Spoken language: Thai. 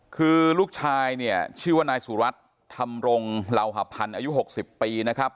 คือลูกชายเนี่ยชื่อว่านายสุรัตน์ธรรมรงเหล่าหพันธ์อายุ๖๐ปีนะครับ